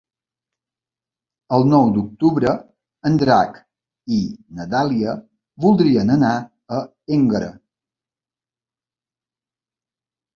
El nou d'octubre en Drac i na Dàlia voldrien anar a Énguera.